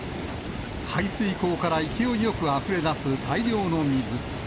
排水溝から勢いよくあふれ出す大量の水。